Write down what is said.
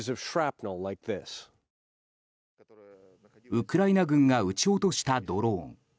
ウクライナ軍が撃ち落としたドローン。